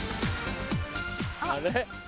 あれ？